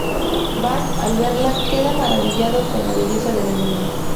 Bart, al verla, queda maravillado con la belleza de la niña.